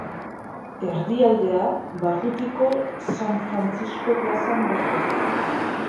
Erdialdea barrutiko San Frantzisko plazan dago.